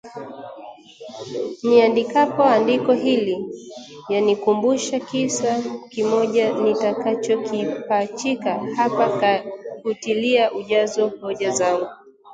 Niandikapo andiko hili yanikumbusha kisa kimoja nitakachokipachika hapa kutilia ujazo hoja zangu